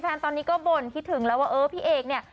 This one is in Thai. แฟนตอนนี้ก็บ่นคิดถึงแล้วว่าเออพี่เอกเนี่ย